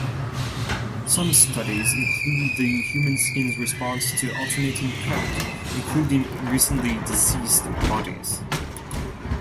Some studies include the human skin's response to alternating current, including recently deceased bodies.